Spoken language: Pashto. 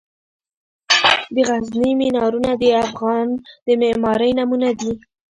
د غزني مینارونه د افغان د معمارۍ نمونه دي.